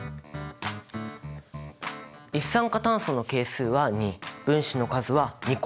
一酸化炭素の係数は２分子の数は２個。